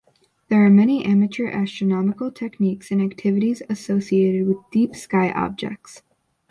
There are many amateur astronomical techniques and activities associated with deep-sky objects.